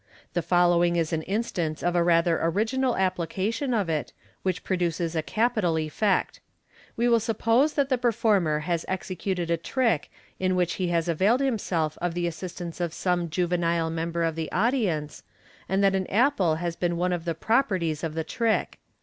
The following is an instance of a rather original applica tion of it, which produces a capital effect. We will suppose that the performer has executed a trick in which he has availed himself of the assistance of some juvenile member of the audience, and that an apple has been one of the " properties " of the trick.